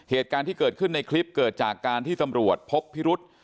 เหตุการณ์ที่เกิดขึ้นในคลิปเกิดจากการที่ตำรวจพบพิรุษ